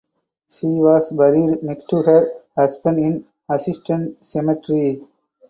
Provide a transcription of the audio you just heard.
She was buried next to her husband in Assistens Cemetery.